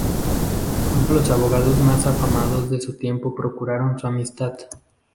Pronto los abogados más afamados de su tiempo procuraron su amistad.